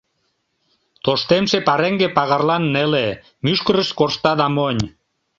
Тоштемше пареҥге пагарлан неле, мӱшкырышт коршта да монь.